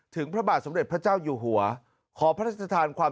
ถึงพระบาทสมลิตพระเจ้าอยู่หัวขอพระทศธาณความ